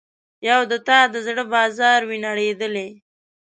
یو د تا د زړه بازار وي نړیدلی